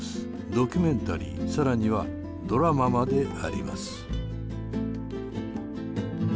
ドキュメンタリーさらにはドラマまであります。